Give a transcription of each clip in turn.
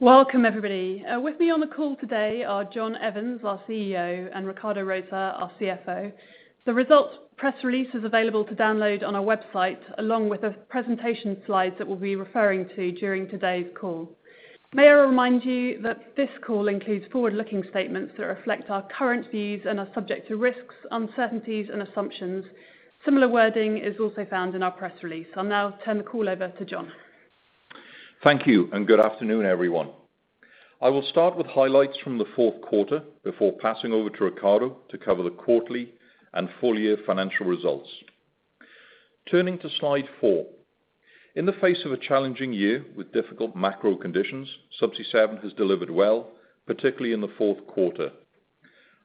Welcome everybody. With me on the call today are John Evans, our CEO, and Ricardo Rosa, our CFO. The results press release is available to download on our website, along with the presentation slides that we'll be referring to during today's call. May I remind you that this call includes forward-looking statements that reflect our current views and are subject to risks, uncertainties, and assumptions. Similar wording is also found in our press release. I'll now turn the call over to John. Thank you, and good afternoon, everyone. I will start with highlights from the fourth quarter before passing over to Ricardo to cover the quarterly and full-year financial results. Turning to slide four. In the face of a challenging year with difficult macro conditions, Subsea7 has delivered well, particularly in the fourth quarter.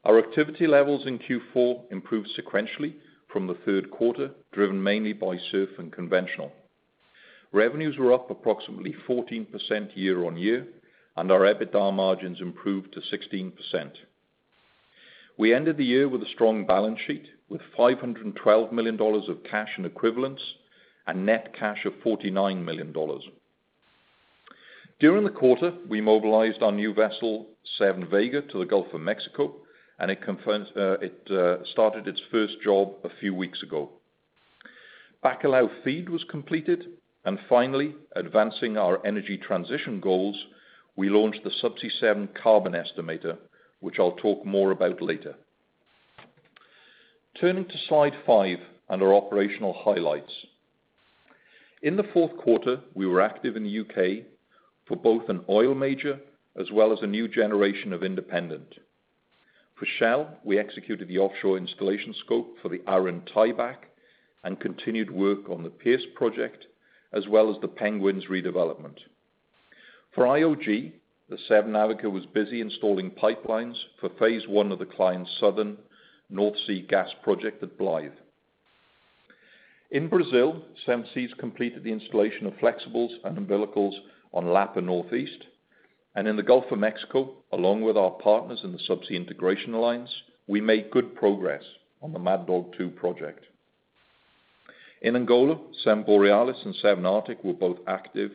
Our activity levels in Q4 improved sequentially from the third quarter, driven mainly by SURF and Conventional. Revenues were up approximately 14% year-on-year, and our EBITDA margins improved to 16%. We ended the year with a strong balance sheet, with $512 million of cash and equivalents and net cash of $49 million. During the quarter, we mobilized our new vessel, Seven Vega, to the Gulf of Mexico, and it started its first job a few weeks ago. Bacalhau FEED was completed. Finally, advancing our energy transition goals, we launched the Subsea7 carbon estimator, which I'll talk more about later. Turning to slide five and our operational highlights. In the fourth quarter, we were active in the U.K. for both an oil major as well as a new generation of independent. For Shell, we executed the offshore installation scope for the Arran tie-back and continued work on the Pierce project, as well as the Penguins redevelopment. For IOG, the Seven Arctic was busy installing pipelines for Phase 1 of the client's southern North Sea gas project at Blythe. In Brazil, Subsea completed the installation of flexibles and umbilicals on Lapa North East. In the Gulf of Mexico, along with our partners in the Subsea Integration Alliance, we made good progress on the Mad Dog 2 project. In Angola, Seven Borealis and Seven Arctic were both active,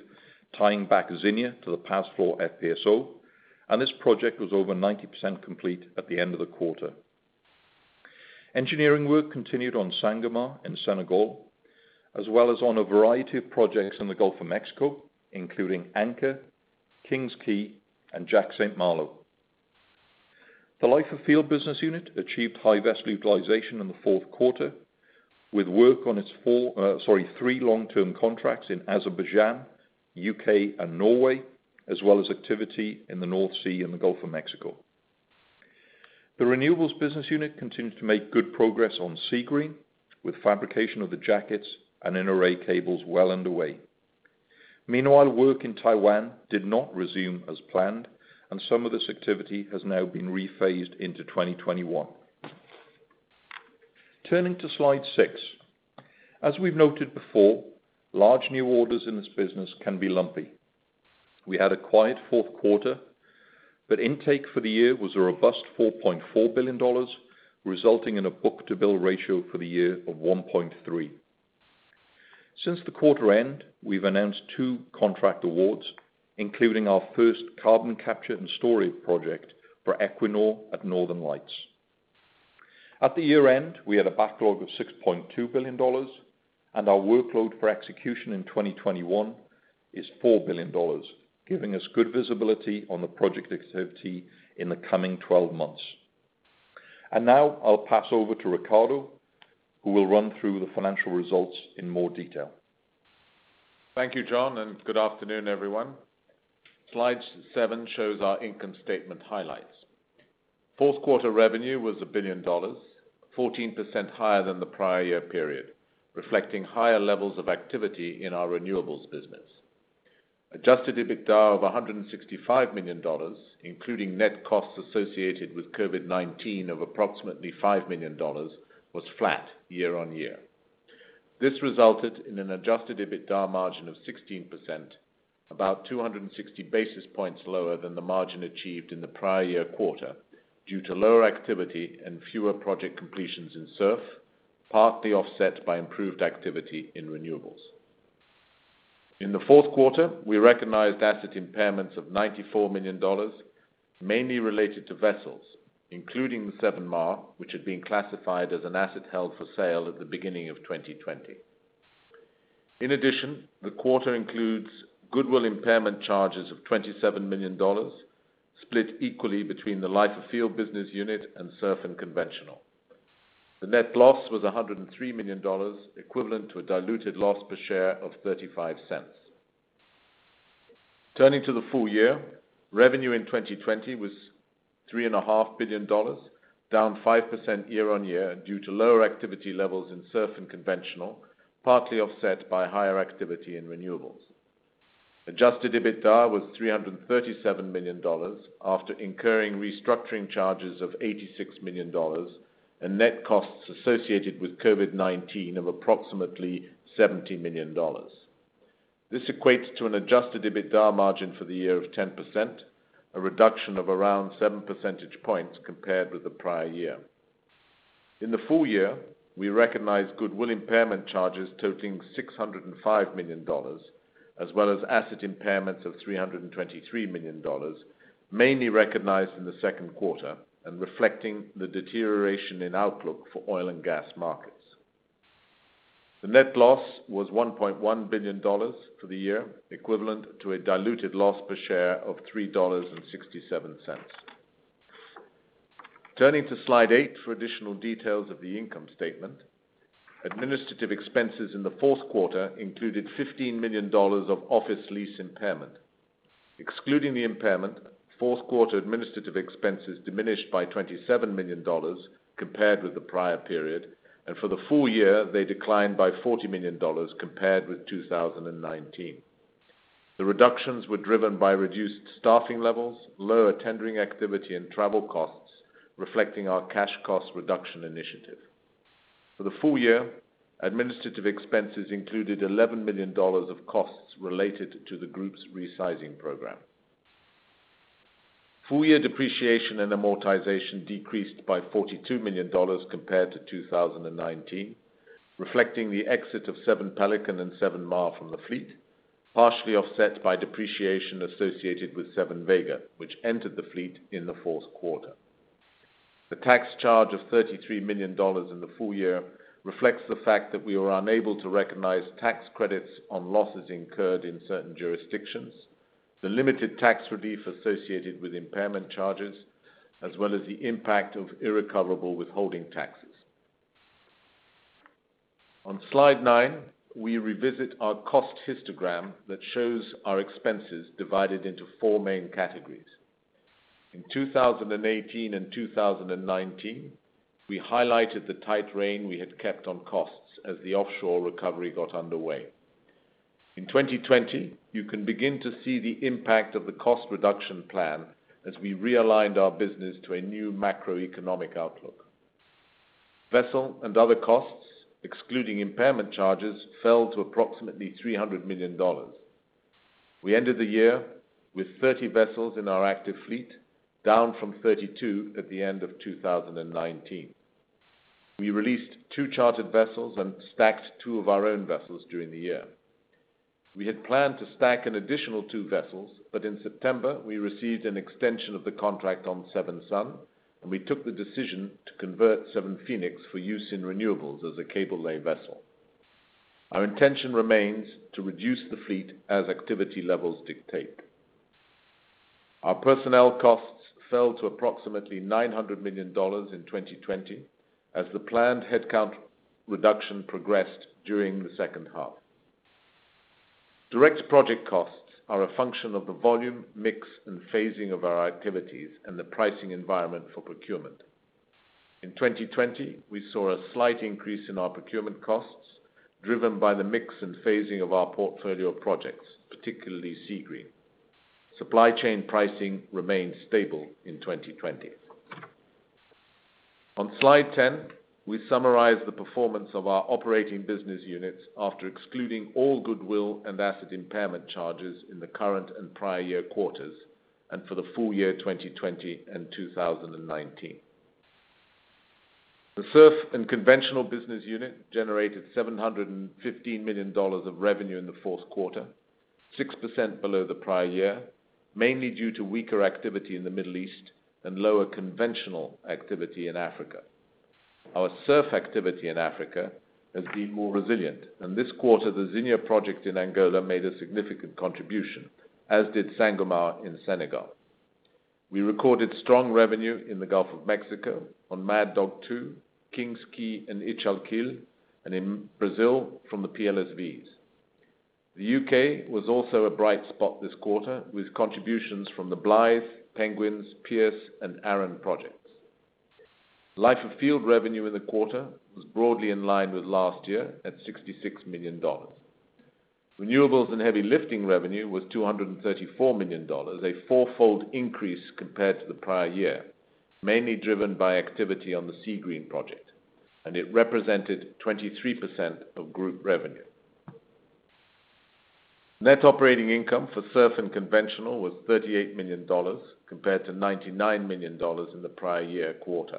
tying back Zinia to the Pazflor FPSO, and this project was over 90% complete at the end of the quarter. Engineering work continued on Sangomar in Senegal, as well as on a variety of projects in the Gulf of Mexico, including Anchor, King's Quay, and Jack/St. Malo. The Life of Field business unit achieved high vessel utilization in the fourth quarter with work on its three long-term contracts in Azerbaijan, U.K., and Norway, as well as activity in the North Sea and the Gulf of Mexico. The Renewables business unit continues to make good progress on Seagreen, with fabrication of the jackets and inner array cables well underway. Meanwhile, work in Taiwan did not resume as planned, and some of this activity has now been rephased into 2021. Turning to slide six. As we've noted before, large new orders in this business can be lumpy. We had a quiet fourth quarter, but intake for the year was a robust $4.4 billion, resulting in a book-to-bill ratio for the year of 1.3. Since the quarter end, we've announced two contract awards, including our first carbon capture and storage project for Equinor at Northern Lights. At the year end, we had a backlog of $6.2 billion, our workload for execution in 2021 is $4 billion, giving us good visibility on the project activity in the coming 12 months. Now, I'll pass over to Ricardo, who will run through the financial results in more detail. Thank you, John. Good afternoon, everyone. Slide seven shows our income statement highlights. Fourth-quarter revenue was $1 billion, 14% higher than the prior year period, reflecting higher levels of activity in our Renewables business. Adjusted EBITDA of $165 million, including net costs associated with COVID-19 of approximately $5 million, was flat year-on-year. This resulted in an Adjusted EBITDA margin of 16%, about 260 basis points lower than the margin achieved in the prior year quarter due to lower activity and fewer project completions in SURF, partly offset by improved activity in Renewables. In the fourth quarter, we recognized asset impairments of $94 million, mainly related to vessels, including the Seven Mar, which had been classified as an asset held for sale at the beginning of 2020. In addition, the quarter includes goodwill impairment charges of $27 million, split equally between the Life of Field business unit and SURF and Conventional. The net loss was $103 million, equivalent to a diluted loss per share of $0.35. Turning to the full year, revenue in 2020 was $3.5 billion, down 5% year-on-year due to lower activity levels in SURF and Conventional, partly offset by higher activity in Renewables. Adjusted EBITDA was $337 million, after incurring restructuring charges of $86 million and net costs associated with COVID-19 of approximately $70 million. This equates to an Adjusted EBITDA margin for the year of 10%, a reduction of around 7 percentage points compared with the prior year. In the full year, we recognized goodwill impairment charges totaling $605 million, as well as asset impairments of $323 million, mainly recognized in the second quarter and reflecting the deterioration in outlook for oil and gas markets. The net loss was $1.1 billion for the year, equivalent to a diluted loss per share of $3.67. Turning to slide eight for additional details of the income statement. Administrative expenses in the fourth quarter included $15 million of office lease impairment. Excluding the impairment, fourth quarter administrative expenses diminished by $27 million compared with the prior period, and for the full year, they declined by $40 million compared with 2019. The reductions were driven by reduced staffing levels, lower tendering activity and travel costs, reflecting our cash cost reduction initiative. For the full year, administrative expenses included $11 million of costs related to the group's resizing program. Full year depreciation and amortization decreased by $42 million compared to 2019, reflecting the exit of Seven Pelican and Seven Mar from the fleet, partially offset by depreciation associated with Seven Vega, which entered the fleet in the fourth quarter. The tax charge of $33 million in the full year reflects the fact that we were unable to recognize tax credits on losses incurred in certain jurisdictions, the limited tax relief associated with impairment charges, as well as the impact of irrecoverable withholding taxes. On slide nine, we revisit our cost histogram that shows our expenses divided into four main categories. In 2018 and 2019, we highlighted the tight rein we had kept on costs as the offshore recovery got underway. In 2020, you can begin to see the impact of the cost reduction plan as we realigned our business to a new macroeconomic outlook. Vessel and other costs, excluding impairment charges, fell to approximately $300 million. We ended the year with 30 vessels in our active fleet, down from 32 at the end of 2019. We released two chartered vessels and stacked two of our own vessels during the year. We had planned to stack an additional two vessels, but in September, we received an extension of the contract on Seven Sun, and we took the decision to convert Seven Phoenix for use in renewables as a cable lay vessel. Our intention remains to reduce the fleet as activity levels dictate. Our personnel costs fell to approximately $900 million in 2020 as the planned headcount reduction progressed during the second half. Direct project costs are a function of the volume, mix, and phasing of our activities and the pricing environment for procurement. In 2020, we saw a slight increase in our procurement costs, driven by the mix and phasing of our portfolio of projects, particularly Seagreen. Supply chain pricing remained stable in 2020. On slide 10, we summarize the performance of our operating business units after excluding all goodwill and asset impairment charges in the current and prior year quarters, and for the full year 2020 and 2019. The SURF and Conventional business unit generated $715 million of revenue in the fourth quarter, 6% below the prior year, mainly due to weaker activity in the Middle East and lower conventional activity in Africa. Our SURF activity in Africa has been more resilient. This quarter, the Zinia project in Angola made a significant contribution, as did Sangomar in Senegal. We recorded strong revenue in the Gulf of Mexico on Mad Dog 2, King's Quay, and Ichalkil, and in Brazil from the PLSVs. The U.K. was also a bright spot this quarter, with contributions from the Blythe, Penguins, Pierce, and Arran projects. Life of Field revenue in the quarter was broadly in line with last year at $66 million. Renewables and Heavy Lifting revenue was $234 million, a fourfold increase compared to the prior year, mainly driven by activity on the Seagreen project. It represented 23% of group revenue. Net operating income for SURF and Conventional was $38 million compared to $99 million in the prior year quarter,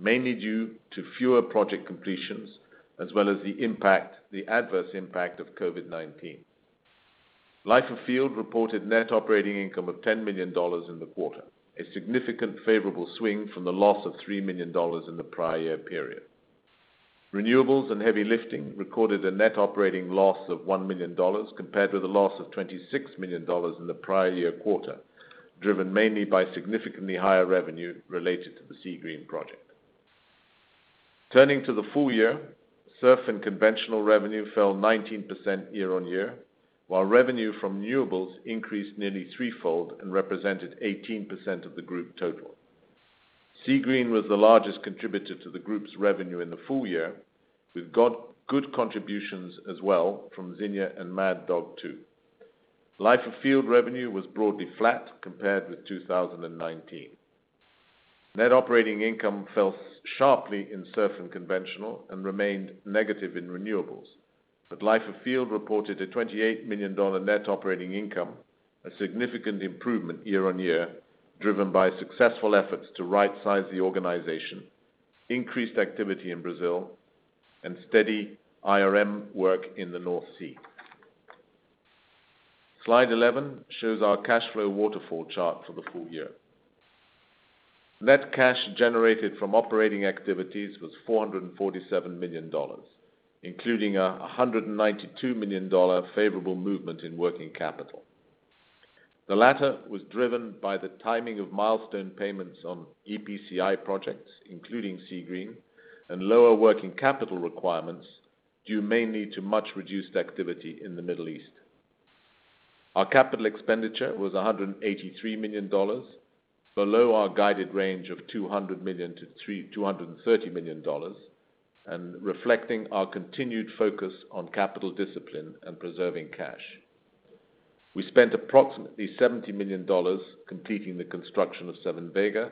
mainly due to fewer project completions as well as the adverse impact of COVID-19. Life of Field reported net operating income of $10 million in the quarter, a significant favorable swing from the loss of $3 million in the prior year period. Renewables and Heavy Lifting recorded a net operating loss of $1 million, compared with a loss of $26 million in the prior year quarter, driven mainly by significantly higher revenue related to the Seagreen project. Turning to the full year, SURF and Conventional revenue fell 19% year-on-year, while revenue from Renewables increased nearly threefold and represented 18% of the group total. Seagreen was the largest contributor to the group's revenue in the full year, with good contributions as well from Zinia and Mad Dog 2. Life of Field revenue was broadly flat compared with 2019. Net operating income fell sharply in SURF and Conventional and remained negative in Renewables. Life of Field reported a $28 million net operating income, a significant improvement year-on-year, driven by successful efforts to right-size the organization, increase activity in Brazil, and steady IRM work in the North Sea. Slide 11 shows our cash flow waterfall chart for the full year. Net cash generated from operating activities was $447 million, including a $192 million favorable movement in working capital. The latter was driven by the timing of milestone payments on EPCI projects, including Seagreen, and lower working capital requirements due mainly to much-reduced activity in the Middle East. Our capital expenditure was $183 million, below our guided range of $200 million-$230 million, and reflecting our continued focus on capital discipline and preserving cash. We spent approximately $70 million completing the construction of Seven Vega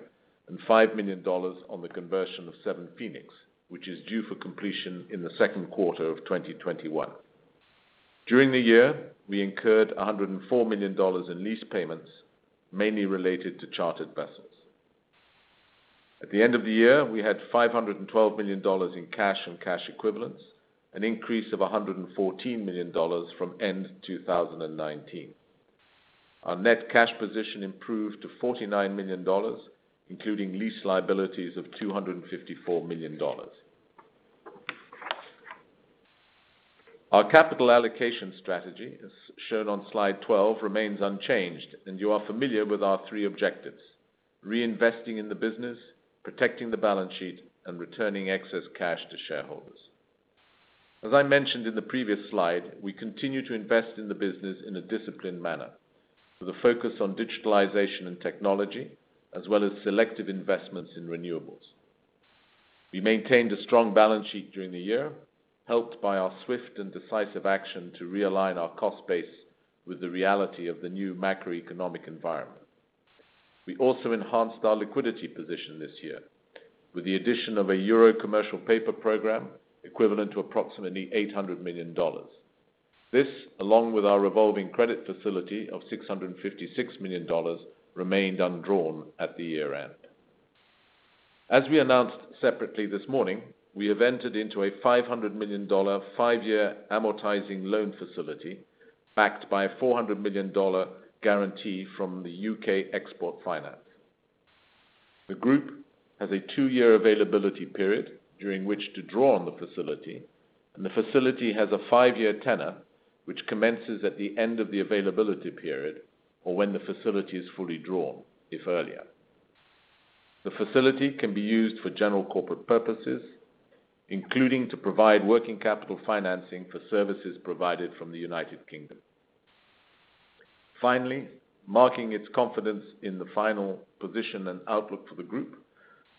and $5 million on the conversion of Seven Phoenix, which is due for completion in the second quarter of 2021. During the year, we incurred $104 million in lease payments, mainly related to chartered vessels. At the end of the year, we had $512 million in cash and cash equivalents, an increase of $114 million from end 2019. Our net cash position improved to $49 million, including lease liabilities of $254 million. Our capital allocation strategy, as shown on slide 12, remains unchanged. You are familiar with our three objectives: reinvesting in the business, protecting the balance sheet, and returning excess cash to shareholders. As I mentioned in the previous slide, we continue to invest in the business in a disciplined manner with a focus on digitalization and technology, as well as selective investments in Renewables. We maintained a strong balance sheet during the year, helped by our swift and decisive action to realign our cost base with the reality of the new macroeconomic environment. We also enhanced our liquidity position this year with the addition of a Euro Commercial Paper program equivalent to approximately $800 million. This, along with our revolving credit facility of $656 million, remained undrawn at the year end. As we announced separately this morning, we have entered into a $500 million five-year amortizing loan facility backed by a $400 million guarantee from the U.K. Export Finance. The group has a two-year availability period during which to draw on the facility, and the facility has a five-year tenor, which commences at the end of the availability period or when the facility is fully drawn, if earlier. The facility can be used for general corporate purposes, including to provide working capital financing for services provided from the U.K. Marking its confidence in the final position and outlook for the group, the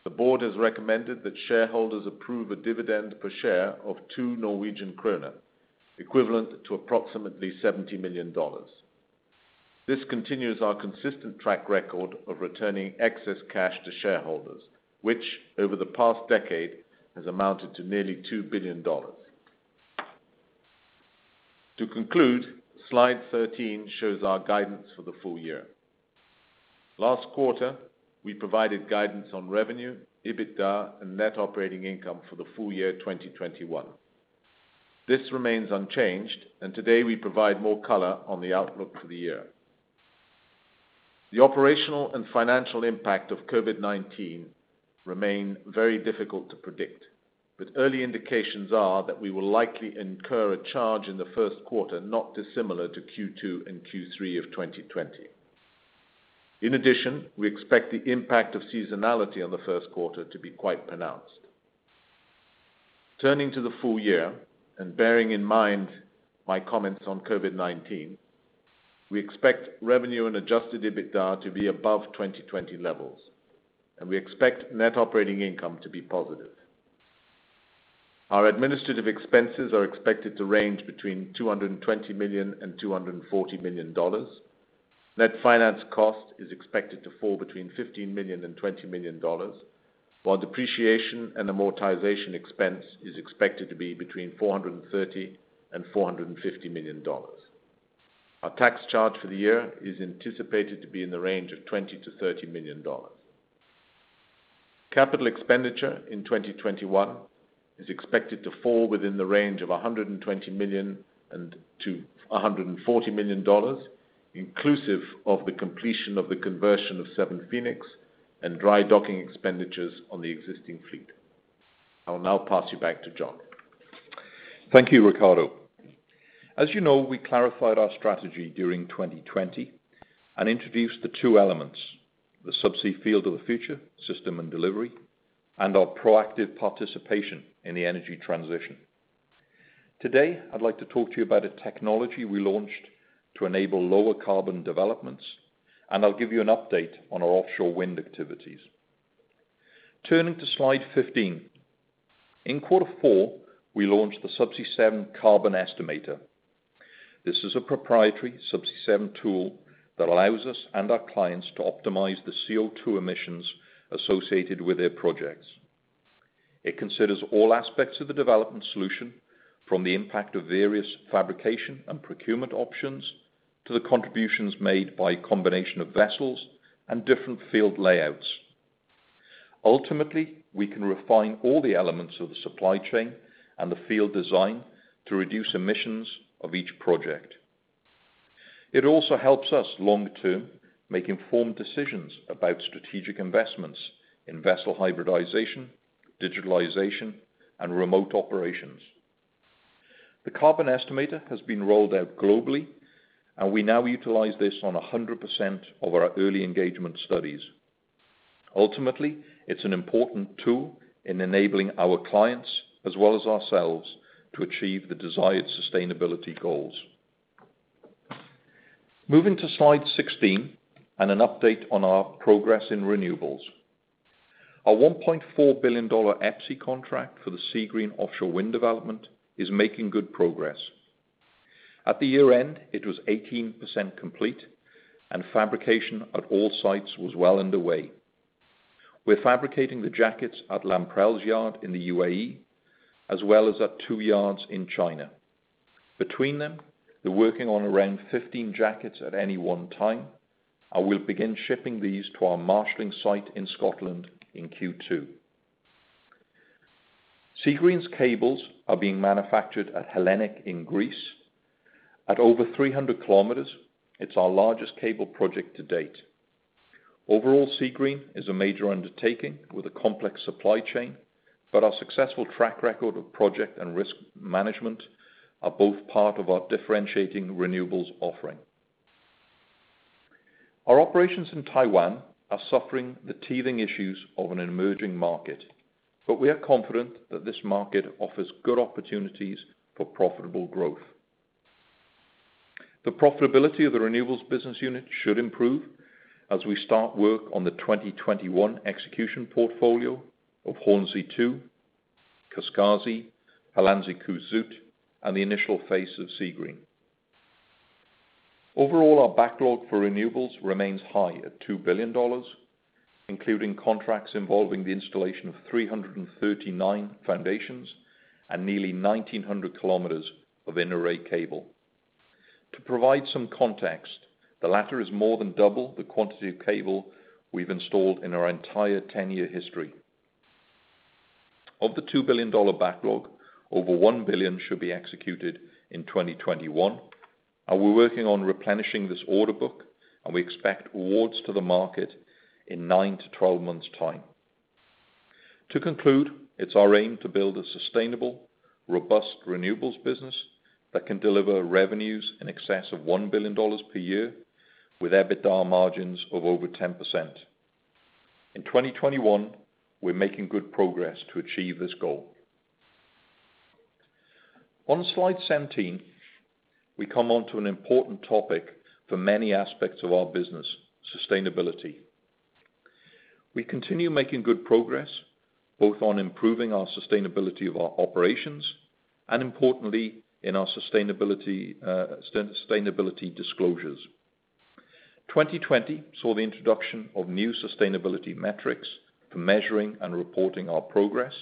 board has recommended that shareholders approve a dividend per share of 2 Norwegian kroner, equivalent to approximately $70 million. This continues our consistent track record of returning excess cash to shareholders, which, over the past decade, has amounted to nearly $2 billion. Slide 13 shows our guidance for the full year. Last quarter, we provided guidance on revenue, EBITDA, and net operating income for the full year 2021. This remains unchanged, today we provide more color on the outlook for the year. The operational and financial impact of COVID-19 remain very difficult to predict, but early indications are that we will likely incur a charge in the first quarter not dissimilar to Q2 and Q3 of 2020. In addition, we expect the impact of seasonality on the first quarter to be quite pronounced. Turning to the full year, and bearing in mind my comments on COVID-19, we expect revenue and Adjusted EBITDA to be above 2020 levels, and we expect net operating income to be positive. Our administrative expenses are expected to range between $220 million and $240 million. Net finance cost is expected to fall between $15 million and $20 million, while depreciation and amortization expense is expected to be between $430 million and $450 million. Our tax charge for the year is anticipated to be in the range of $20 million to $30 million. Capital expenditure in 2021 is expected to fall within the range of $120 million-$140 million, inclusive of the completion of the conversion of Seven Phoenix and dry docking expenditures on the existing fleet. I will now pass you back to John. Thank you, Ricardo. As you know, we clarified our strategy during 2020 and introduced the two elements, the Subsea Field of the Future system and delivery, and our proactive participation in the energy transition. Today, I'd like to talk to you about a technology we launched to enable lower carbon developments, and I'll give you an update on our offshore wind activities. Turning to slide 15. In quarter four, we launched the Subsea7 carbon estimator. this is a proprietary Subsea7 tool that allows us and our clients to optimize the CO₂ emissions associated with their projects. It considers all aspects of the development solution, from the impact of various fabrication and procurement options, to the contributions made by a combination of vessels and different field layouts. Ultimately, we can refine all the elements of the supply chain and the field design to reduce emissions of each project. It also helps us, long term, make informed decisions about strategic investments in vessel hybridization, digitalization, and remote operations. The carbon estimator has been rolled out globally, we now utilize this on 100% of our early engagement studies. Ultimately, it's an important tool in enabling our clients, as well as ourselves, to achieve the desired sustainability goals. Moving to slide 16, an update on our progress in Renewables. Our $1.4 billion EPCI contract for the Seagreen offshore wind development is making good progress. At the year end, it was 18% complete, fabrication at all sites was well underway. We're fabricating the jackets at Lamprell's yard in the U.A.E., as well as at two yards in China. Between them, they're working on around 15 jackets at any one time, we'll begin shipping these to our marshaling site in Scotland in Q2. Seagreen's cables are being manufactured at Hellenic in Greece. At over 300 km, it's our largest cable project to date. Overall, Seagreen is a major undertaking with a complex supply chain, but our successful track record of project and risk management are both part of our differentiating Renewables offering. Our operations in Taiwan are suffering the teething issues of an emerging market, but we are confident that this market offers good opportunities for profitable growth. The profitability of the Renewables business unit should improve as we start work on the 2021 execution portfolio of Hornsea 2, Kaskasi, Hollandse Kust Zuid, and the initial phase of Seagreen. Overall, our backlog for Renewables remains high at $2 billion, including contracts involving the installation of 339 foundations and nearly 1,900 km of inter-array cable. To provide some context, the latter is more than double the quantity of cable we've installed in our entire 10-year history. Of the $2 billion backlog, over $1 billion should be executed in 2021, and we're working on replenishing this order book, and we expect awards to the market in 9 to 12 months' time. To conclude, it's our aim to build a sustainable, robust Renewables business that can deliver revenues in excess of $1 billion per year, with EBITDA margins of over 10%. In 2021, we're making good progress to achieve this goal. On slide 17, we come onto an important topic for many aspects of our business, sustainability. We continue making good progress, both on improving our sustainability of our operations, and importantly, in our sustainability disclosures. 2020 saw the introduction of new sustainability metrics for measuring and reporting our progress,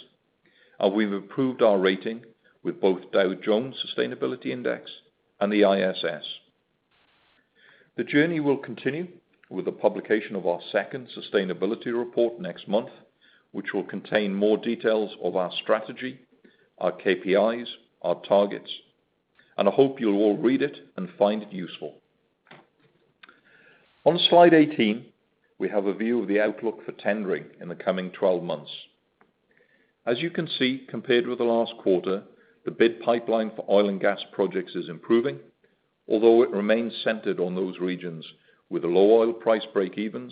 and we've improved our rating with both Dow Jones Sustainability Index and the ISS. The journey will continue with the publication of our second sustainability report next month, which will contain more details of our strategy, our KPIs, our targets, and I hope you'll all read it and find it useful. On slide 18, we have a view of the outlook for tendering in the coming 12 months. As you can see, compared with the last quarter, the bid pipeline for oil and gas projects is improving, although it remains centered on those regions with low oil price breakevens,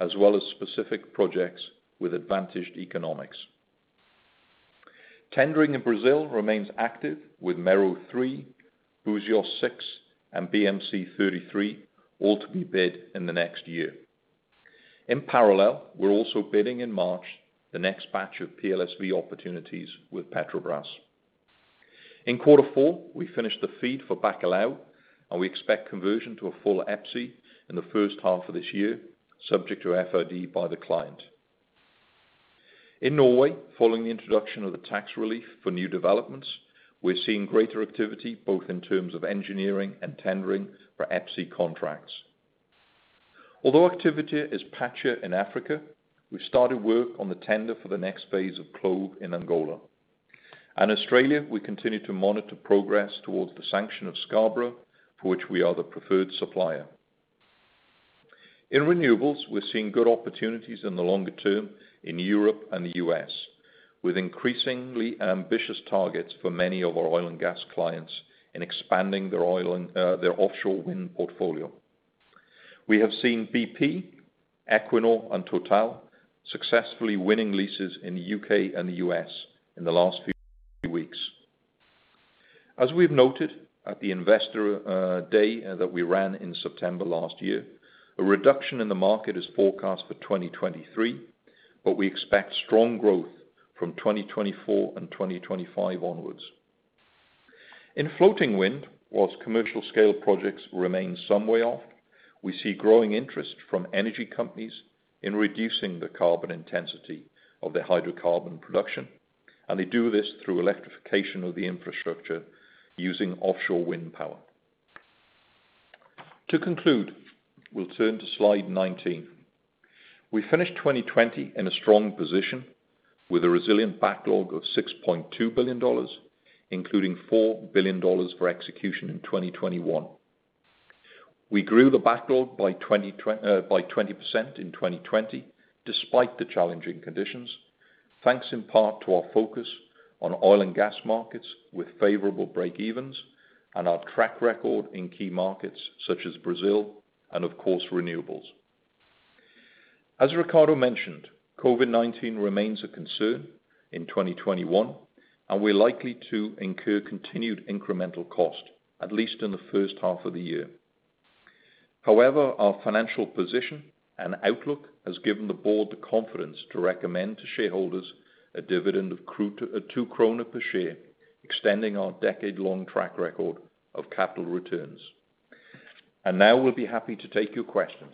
as well as specific projects with advantaged economics. Tendering in Brazil remains active with Mero 3, Búzios 6, and BMC-33 all to be bid in the next year. In parallel, we're also bidding in March the next batch of PLSV opportunities with Petrobras. In quarter four, we finished the FEED for Bacalhau, and we expect conversion to a full EPCI in the first half of this year, subject to FID by the client. In Norway, following the introduction of the tax relief for new developments, we're seeing greater activity, both in terms of engineering and tendering for EPCI contracts. Although activity is patchier in Africa, we've started work on the tender for the next phase of CLOV in Angola. In Australia, we continue to monitor progress towards the sanction of Scarborough, for which we are the preferred supplier. In Renewables, we're seeing good opportunities in the longer term in Europe and the U.S., with increasingly ambitious targets for many of our oil and gas clients in expanding their offshore wind portfolio. We have seen BP, Equinor, and Total successfully winning leases in the U.K. and the U.S. in the last few weeks. As we've noted at the Investor Day that we ran in September last year, a reduction in the market is forecast for 2023, but we expect strong growth from 2024 and 2025 onwards. In floating wind, whilst commercial scale projects remain some way off, we see growing interest from energy companies in reducing the carbon intensity of their hydrocarbon production, and they do this through electrification of the infrastructure using offshore wind power. To conclude, we'll turn to slide 19. We finished 2020 in a strong position with a resilient backlog of $6.2 billion, including $4 billion for execution in 2021. We grew the backlog by 20% in 2020, despite the challenging conditions, thanks in part to our focus on oil and gas markets with favorable breakevens and our track record in key markets such as Brazil and of course, Renewables. As Ricardo mentioned, COVID-19 remains a concern in 2021, and we're likely to incur continued incremental cost at least in the first half of the year. However, our financial position and outlook has given the board the confidence to recommend to shareholders a dividend of 2 krone per share, extending our decade-long track record of capital returns. Now, we'll be happy to take your questions.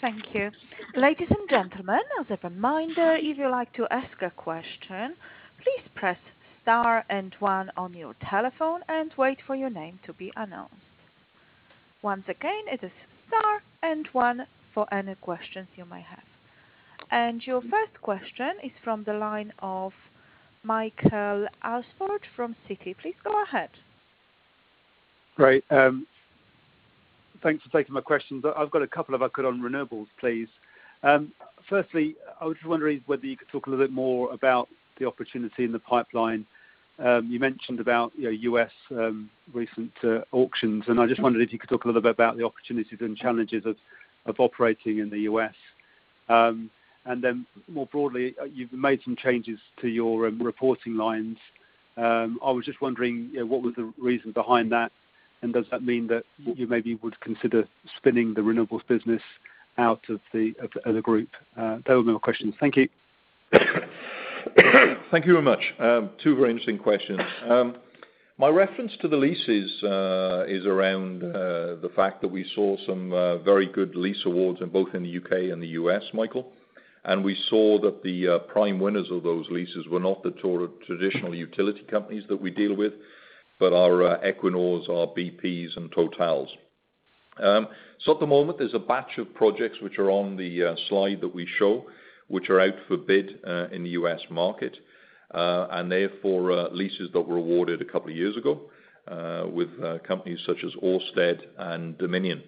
Thank you. Ladies and gentlemen, as a reminder, if you'd like to ask a question, please press star and one on your telephone, and wait for your name to be announced. Once again, it is star and one for any questions you may have. And your first question is from the line of Michael Alsford from Citi. Please go ahead. Great. Thanks for taking my questions. I've got a couple if I could on Renewables, please. Firstly, I was just wondering whether you could talk a little bit more about the opportunity in the pipeline. You mentioned about U.S. recent auctions, I just wondered if you could talk a little bit about the opportunities and challenges of operating in the U.S. Then more broadly, you've made some changes to your reporting lines. I was just wondering what was the reason behind that, and does that mean that you maybe would consider spinning the Renewables business out of the group? Those are my questions. Thank you. Thank you very much. Two very interesting questions. My reference to the leases is around the fact that we saw some very good lease awards in both in the U.K. and the U.S., Michael. We saw that the prime winners of those leases were not the traditional utility companies that we deal with, but our Equinors, our BPs, and Totals. At the moment, there's a batch of projects which are on the slide that we show, which are out for bid in the U.S. market, and they are for leases that were awarded a couple of years ago with companies such as Ørsted and Dominion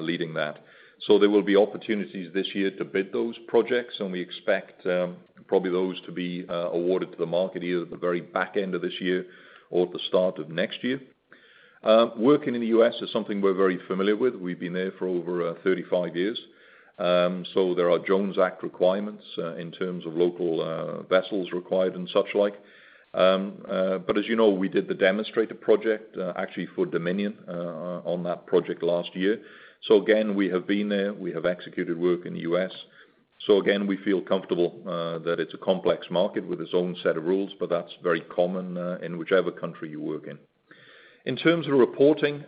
leading that. There will be opportunities this year to bid those projects, and we expect probably those to be awarded to the market either at the very back end of this year or at the start of next year. Working in the U.S. is something we're very familiar with. We've been there for over 35 years. There are Jones Act requirements in terms of local vessels required and such like. As you know, we did the demonstrator project actually for Dominion on that project last year. Again, we have been there. We have executed work in the U.S. Again, we feel comfortable that it's a complex market with its own set of rules, but that's very common in whichever country you work in. In terms of reporting,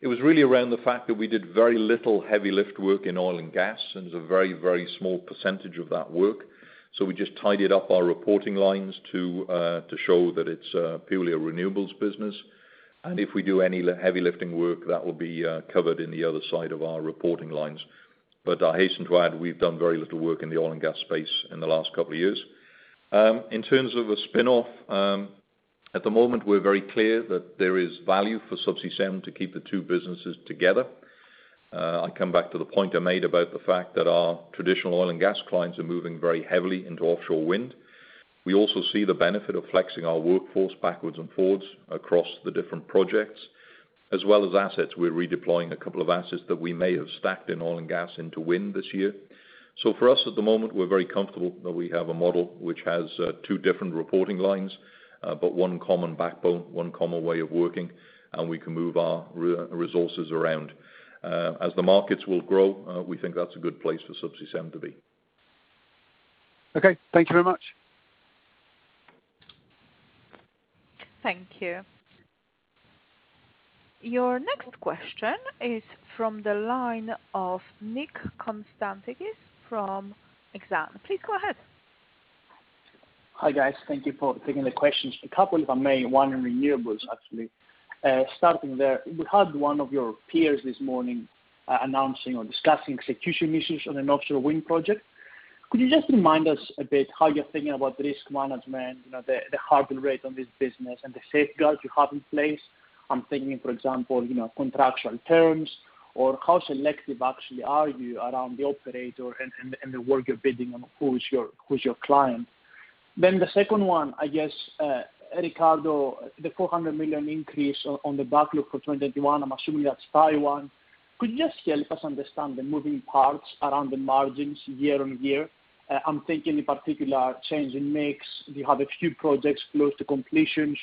it was really around the fact that we did very little heavy lift work in oil and gas, and it's a very small percentage of that work. We just tidied up our reporting lines to show that it's purely a renewables business, and if we do any heavy lifting work, that will be covered in the other side of our reporting lines. I hasten to add we've done very little work in the oil and gas space in the last couple of years. In terms of a spin-off, at the moment, we're very clear that there is value for Subsea7 to keep the two businesses together. I come back to the point I made about the fact that our traditional oil and gas clients are moving very heavily into offshore wind. We also see the benefit of flexing our workforce backwards and forwards across the different projects as well as assets. We're redeploying a couple of assets that we may have stacked in oil and gas into wind this year. For us at the moment, we're very comfortable that we have a model which has two different reporting lines, but one common backbone, one common way of working, and we can move our resources around. As the markets will grow, we think that's a good place for Subsea7 to be. Okay. Thank you very much. Thank you. Your next question is from the line of Nick Constantakis from Exane. Please go ahead. Hi, guys. Thank you for taking the questions. A couple, if I may, one on renewables, actually. Starting there, we had one of your peers this morning announcing or discussing execution issues on an offshore wind project. Could you just remind us a bit how you're thinking about risk management, the hurdle rate on this business, and the safeguards you have in place? I'm thinking, for example, contractual terms or how selective actually are you around the operator and the work you're bidding on who is your client? The second one, I guess, Ricardo, the $400 million increase on the backlog for 2021, I'm assuming that's Taiwan. Could you just help us understand the moving parts around the margins year-over-year? I'm thinking in particular change in mix. Do you have a few projects close to completion,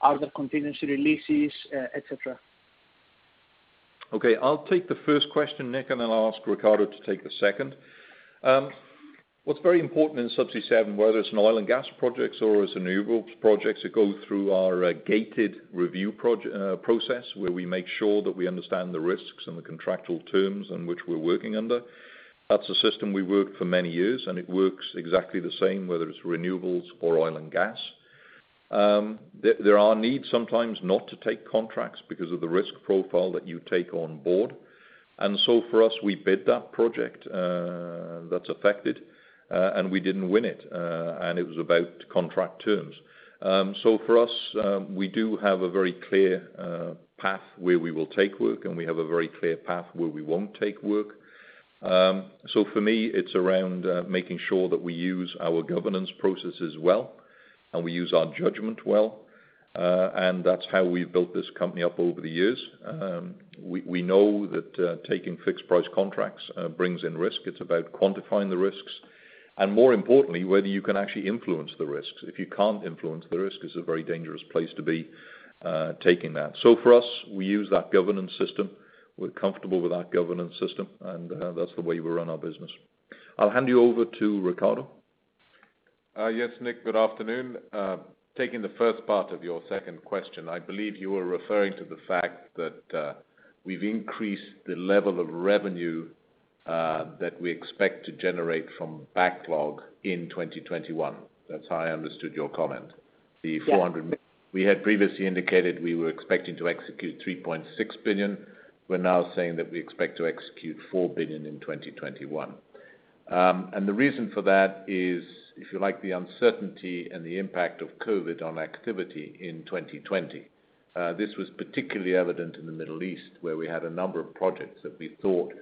are there contingency releases, et cetera? I'll take the first question, Nick. Then I'll ask Ricardo to take the second. What's very important in Subsea7, whether it's in oil and gas projects or as renewables projects, is that go through our gated review process, where we make sure that we understand the risks and the contractual terms in which we're working under. That's a system we worked for many years. It works exactly the same whether it's renewables or oil and gas. There are needs sometimes not to take contracts because of the risk profile that you take on board. For us, we bid that project that's affected. We didn't win it. It was about contract terms. For us, we do have a very clear path where we will take work. We have a very clear path where we won't take work. For me, it's around making sure that we use our governance processes well, and we use our judgment well, and that's how we've built this company up over the years. We know that taking fixed price contracts brings in risk. It's about quantifying the risks and, more importantly, whether you can actually influence the risks. If you can't influence the risk, it's a very dangerous place to be taking that. For us, we use that governance system. We're comfortable with that governance system, and that's the way we run our business. I'll hand you over to Ricardo. Yes, Nick, good afternoon. Taking the first part of your second question, I believe you were referring to the fact that we've increased the level of revenue that we expect to generate from backlog in 2021. That's how I understood your comment. Yes. We had previously indicated we were expecting to execute $3.6 billion. We're now saying that we expect to execute $4 billion in 2021. The reason for that is, if you like, the uncertainty and the impact of COVID on activity in 2020. This was particularly evident in the Middle East, where we had a number of projects that we thought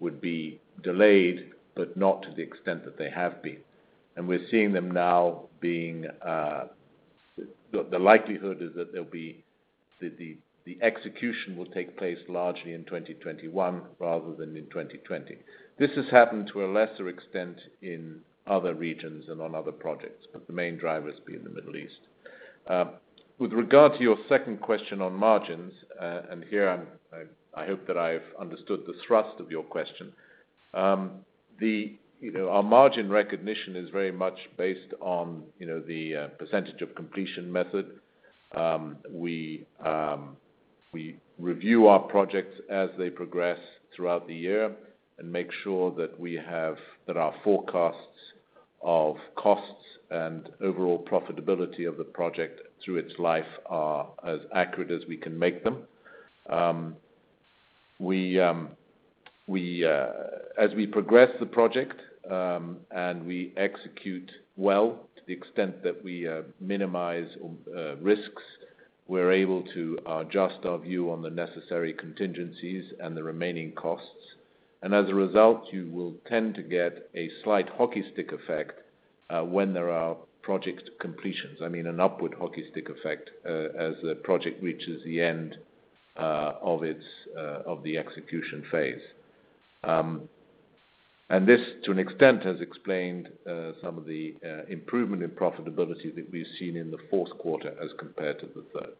would be delayed, but not to the extent that they have been. We're seeing them now, the likelihood is that the execution will take place largely in 2021 rather than in 2020. This has happened to a lesser extent in other regions and on other projects, but the main drivers being the Middle East. With regard to your second question on margins, here I hope that I've understood the thrust of your question. Our margin recognition is very much based on the percentage of completion method. We review our projects as they progress throughout the year and make sure that our forecasts of costs and overall profitability of the project through its life are as accurate as we can make them. As we progress the project, we execute well to the extent that we minimize risks, we're able to adjust our view on the necessary contingencies and the remaining costs. As a result, you will tend to get a slight hockey stick effect when there are project completions. I mean, an upward hockey stick effect, as the project reaches the end of the execution phase. This, to an extent, has explained some of the improvement in profitability that we've seen in the fourth quarter as compared to the third.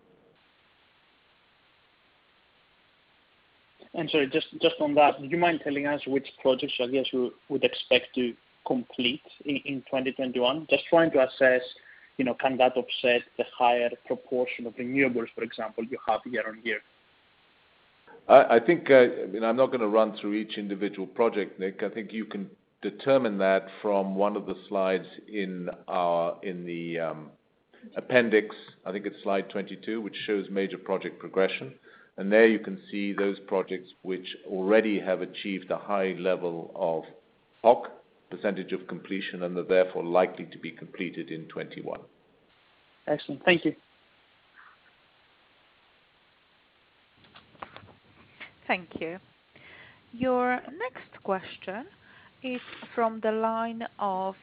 Sorry, just on that, would you mind telling us which projects, I guess, you would expect to complete in 2021? Just trying to assess, can that offset the higher proportion of renewables, for example, you have year-on-year? I think I'm not going to run through each individual project, Nick. I think you can determine that from one of the slides in the appendix. I think it's slide 22, which shows major project progression. There you can see those projects which already have achieved a high level of POC, percentage of completion, and they're therefore likely to be completed in 2021. Excellent. Thank you. Thank you. Your next question is from the line of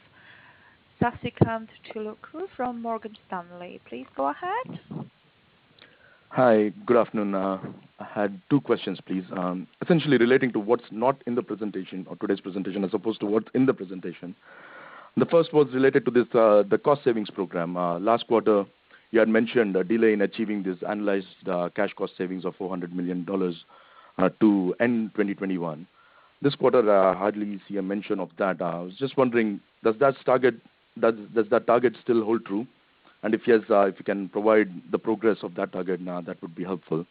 Sasikanth Chilukuru from Morgan Stanley. Please go ahead. Hi. Good afternoon. I had two questions, please. Essentially relating to what's not in the presentation or today's presentation as opposed to what's in the presentation. The first was related to the cost savings program. Last quarter, you had mentioned a delay in achieving this analyzed cash cost savings of $400 million to end 2021. This quarter, I hardly see a mention of that. I was just wondering, does that target still hold true? If yes, if you can provide the progress of that target now, that would be helpful.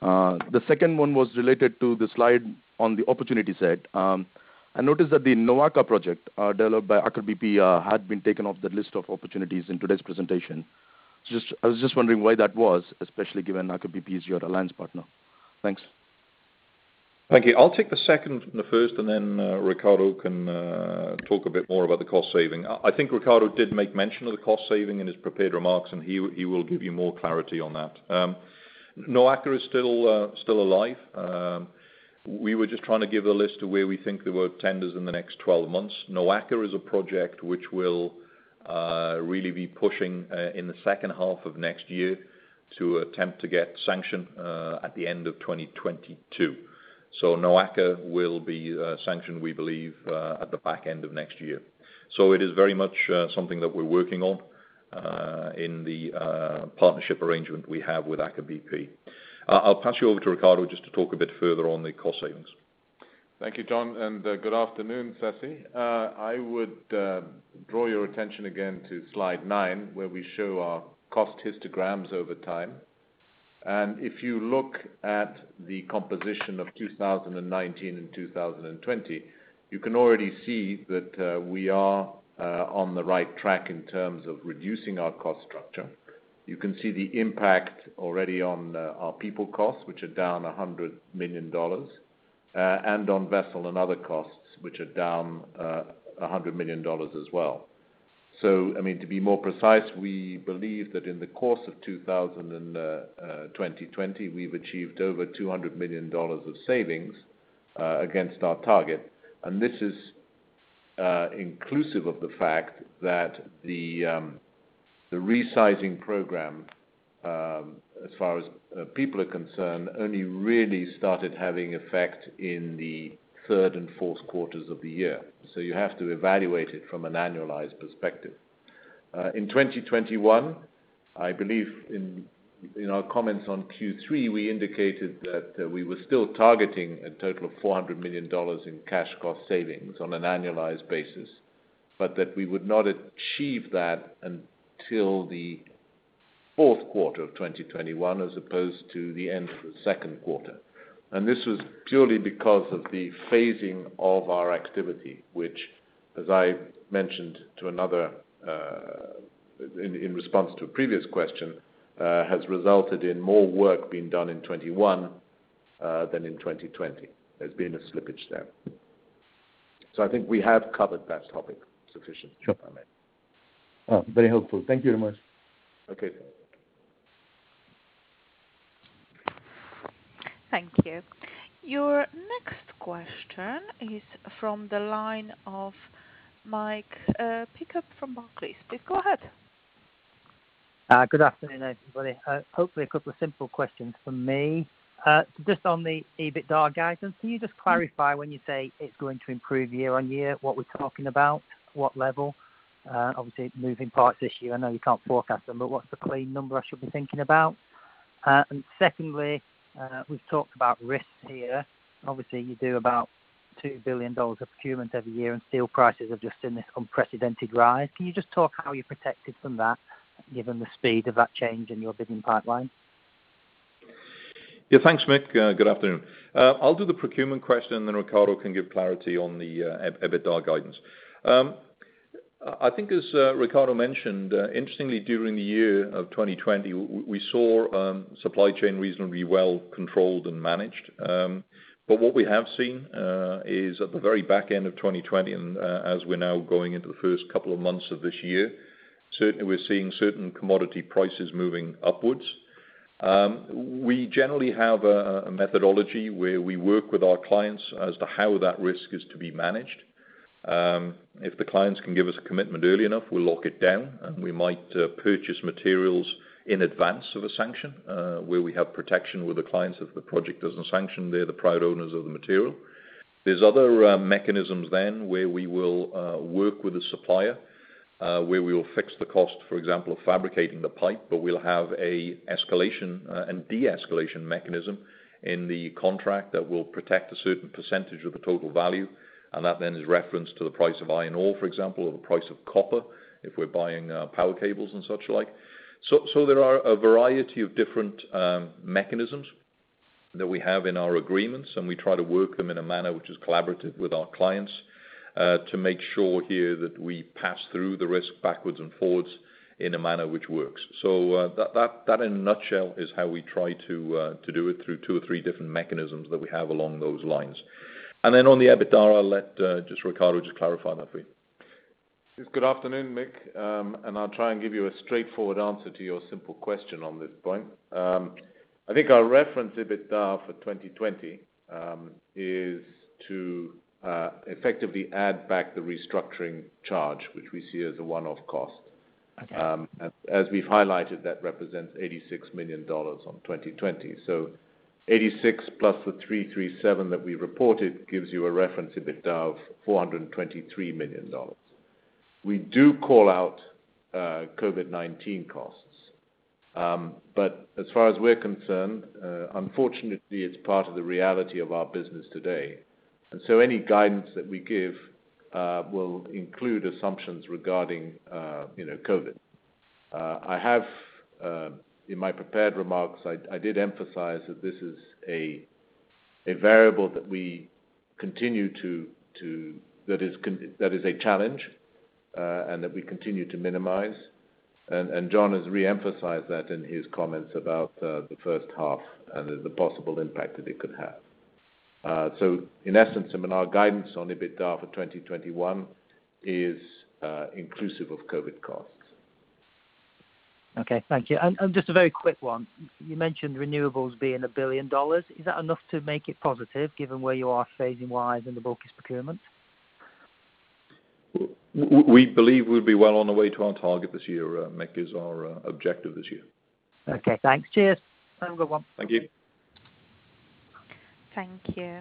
The second one was related to the slide on the opportunity side. I noticed that the NOAKA project, developed by Aker BP, had been taken off the list of opportunities in today's presentation. I was just wondering why that was, especially given Aker BP is your alliance partner. Thanks. Thank you. I'll take the second and the first, and then Ricardo can talk a bit more about the cost saving. I think Ricardo did make mention of the cost saving in his prepared remarks, and he will give you more clarity on that. NOAKA is still alive. We were just trying to give a list of where we think there were tenders in the next 12 months. NOAKA is a project which will really be pushing in the second half of next year to attempt to get sanction at the end of 2022. NOAKA will be sanctioned, we believe, at the back end of next year. It is very much something that we're working on in the partnership arrangement we have with Aker BP. I'll pass you over to Ricardo just to talk a bit further on the cost savings. Thank you, John. Good afternoon, Sasi. I would draw your attention again to slide nine, where we show our cost histograms over time. If you look at the composition of 2019 and 2020, you can already see that we are on the right track in terms of reducing our cost structure. You can see the impact already on our people costs, which are down $100 million, and on vessel and other costs, which are down $100 million as well. To be more precise, we believe that in the course of 2020, we've achieved over $200 million of savings against our target. This is inclusive of the fact that the resizing program, as far as people are concerned, only really started having effect in the third and fourth quarters of the year. You have to evaluate it from an annualized perspective. In 2021, I believe in our comments on Q3, we indicated that we were still targeting a total of $400 million in cash cost savings on an annualized basis, but that we would not achieve that until the fourth quarter of 2021, as opposed to the end of the second quarter. This was purely because of the phasing of our activity, which, as I mentioned in response to a previous question, has resulted in more work being done in 2021 than in 2020. There's been a slippage there. I think we have covered that topic sufficiently. Sure. Very helpful. Thank you very much. Okay. Thank you. Your next question is from the line of Mick Pickup from Barclays. Please go ahead. Good afternoon, everybody. Hopefully, a couple of simple questions from me. Just on the EBITDA guidance, can you just clarify when you say it's going to improve year-on-year, what we're talking about? What level? Obviously, it's a moving parts issue. I know you can't forecast them, what's the clean number I should be thinking about? Secondly, we've talked about risks here. Obviously, you do about $2 billion of procurement every year, steel prices have just seen this unprecedented rise. Can you just talk how you're protected from that, given the speed of that change in your bidding pipeline? Thanks, Mick. Good afternoon. I'll do the procurement question, then Ricardo can give clarity on the EBITDA guidance. I think as Ricardo mentioned, interestingly, during the year of 2020, we saw supply chain reasonably well controlled and managed. What we have seen is at the very back end of 2020, and as we're now going into the first couple of months of this year, certainly we are seeing certain commodity prices moving upwards. We generally have a methodology where we work with our clients as to how that risk is to be managed. If the clients can give us a commitment early enough, we'll lock it down, and we might purchase materials in advance of a sanction, where we have protection with the clients. If the project doesn't sanction, they're the proud owners of the material. There's other mechanisms then where we will work with the supplier, where we will fix the cost, for example, of fabricating the pipe, but we'll have a escalation and de-escalation mechanism in the contract that will protect a certain percentage of the total value, and that then is referenced to the price of iron ore, for example, or the price of copper, if we're buying power cables and such like. There are a variety of different mechanisms that we have in our agreements, and we try to work them in a manner which is collaborative with our clients, to make sure here that we pass through the risk backwards and forwards in a manner which works. That, in a nutshell, is how we try to do it through two or three different mechanisms that we have along those lines. On the EBITDA, I'll let Ricardo just clarify that for you. Good afternoon, Mick, I'll try and give you a straightforward answer to your simple question on this point. I think our reference EBITDA for 2020 is to effectively add back the restructuring charge, which we see as a one-off cost. As we've highlighted, that represents $86 million on 2020. $86 million plus the $337 million that we reported gives you a reference EBITDA of $423 million. We do call out COVID-19 costs. As far as we're concerned, unfortunately, it's part of the reality of our business today. Any guidance that we give will include assumptions regarding COVID. In my prepared remarks, I did emphasize that this is a variable that is a challenge, and that we continue to minimize. John has reemphasized that in his comments about the first half and the possible impact that it could have. In essence, our guidance on EBITDA for 2021 is inclusive of COVID costs. Thank you. Just a very quick one. You mentioned Renewables being $1 billion. Is that enough to make it positive given where you are phasing-wise in the book's procurement? We believe we'll be well on the way to our target this year, Mick, it's our objective this year. Thanks. Cheers. Have a good one. Thank you. Thank you.